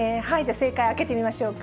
正解、開けてみましょうか。